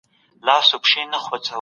آيا دغه قرباني بې ځايه وه؟